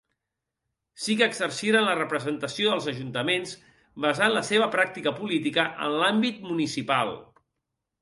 Sí que exerciren la representació als ajuntaments, basant la seva pràctica política en l'àmbit municipal.